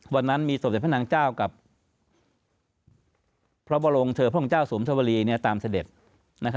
วันนั้นมีสมเด็จพระนางเจ้ากับพระบรมเธอพระองค์เจ้าสวมชวรีตามเสด็จ